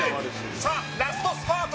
さあ、ラストスパート。